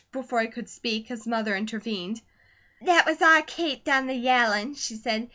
Before he could speak his mother intervened. "That was our Kate done the yellin'," she said.